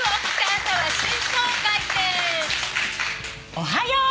おはよう！